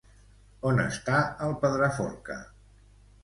On està el Pedraforca?